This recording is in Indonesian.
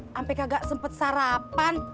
sampai gak sempet sarapan